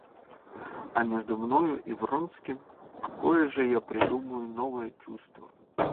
А между мною и Вронским какое же я придумаю новое чувство?